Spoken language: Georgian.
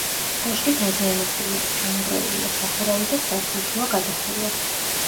კოშკი დაზიანებულია: ჩამონგრეულია სახურავი და სართულშუა გადახურვა.